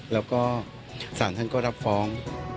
แล้วก็ศาลก็รับฟ้อง